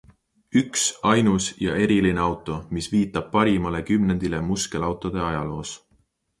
Üks, ainus ja eriline auto, mis viitab parimale kümnendile muskelautode ajaloos.